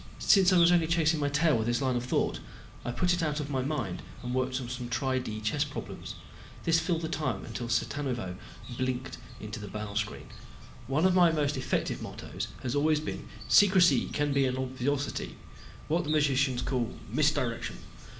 Since I was only chasing my tail with this line of thought, I put it out of my mind and worked on some tri di chess problems. This filled the time until Cittanuvo blinked into the bow screen. One of my most effective mottoes has always been, "Secrecy can be an obviousity." What the magicians call misdirection.